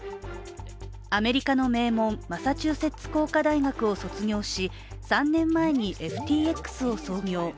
アメリカの名門マサチューセッツ工科大学を卒業し３年前にＦＴＸを創業。